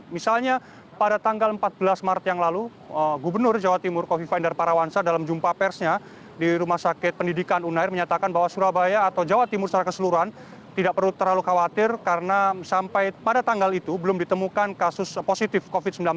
misalnya pada tanggal empat belas maret yang lalu gubernur jawa timur kofifa indar parawansa dalam jumpa persnya di rumah sakit pendidikan unair menyatakan bahwa surabaya atau jawa timur secara keseluruhan tidak perlu terlalu khawatir karena sampai pada tanggal itu belum ditemukan kasus positif covid sembilan belas